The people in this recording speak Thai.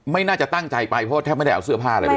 ไม่น่าจะตั้งใจไปเพราะว่าแทบไม่ได้เอาเสื้อผ้าอะไรไปเลย